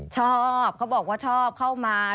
ชอบเขาบอกว่าชอบเข้ามา